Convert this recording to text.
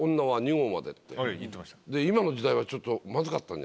今の時代はちょっとまずかったんじゃない？